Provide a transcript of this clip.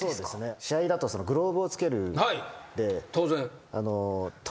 試合だとグローブを着けるんで。